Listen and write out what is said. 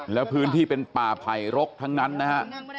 แล้วพื้นที่เป็นป่าไผ่รกทั้งนั้นนะฮะ